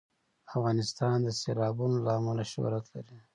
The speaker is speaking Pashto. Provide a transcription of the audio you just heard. افغانستان د سیلابونه له امله شهرت لري.